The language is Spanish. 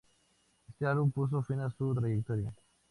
Este álbum puso fin a su trayectoria.